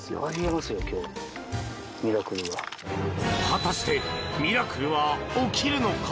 果たしてミラクルは起きるのか？